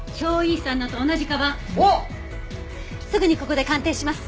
すぐにここで鑑定します。